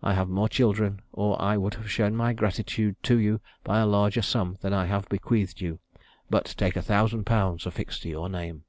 I have more children, or I would have shown my gratitude to you by a larger sum than I have bequeathed you; but take a thousand pounds affixed to your name.'